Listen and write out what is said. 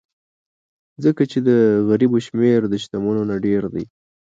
ځکه چې د غریبو شمېر د شتمنو نه ډېر دی.